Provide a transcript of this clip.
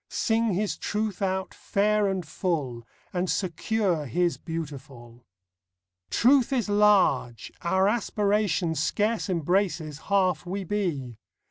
Sing His Truth out fair and full, And secure His beautiful. Truth is large. Our aspiration Scarce embraces half we be.